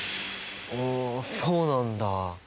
おそうなんだ。